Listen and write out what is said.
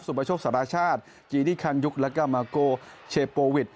สุประชบสรรคชาติจีนี่คันยุคและก็มาโก้เชโปวิท